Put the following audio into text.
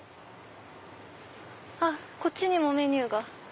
こっちにもメニューが。